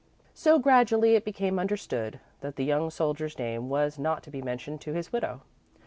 So, gradually, it became understood that the young soldier's name was not to be mentioned to his widow.